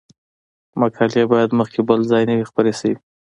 مقالې باید مخکې بل ځای نه وي خپرې شوې.